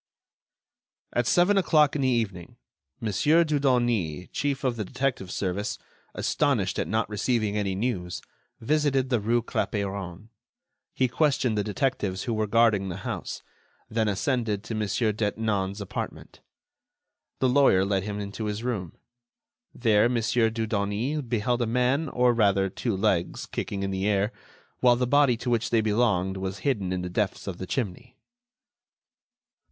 At seven o'clock in the evening, Mon. Dudonis, chief of the detective service, astonished at not receiving any news, visited the rue Clapeyron. He questioned the detectives who were guarding the house, then ascended to Mon. Detinan's apartment. The lawyer led him into his room. There, Mon. Dudonis beheld a man, or rather two legs kicking in the air, while the body to which they belonged was hidden in the depths of the chimney.